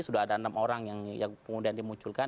sudah ada enam orang yang kemudian dimunculkan